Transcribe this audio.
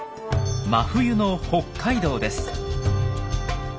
真冬の北海道です。